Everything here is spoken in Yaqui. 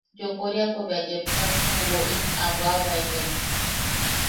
Yokoriapo bea yepsak ju woʼi a bwaʼabaekai.